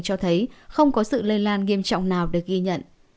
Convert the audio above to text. cho thấy không có sự lây lan nghiêm trọng nào được ghi nhận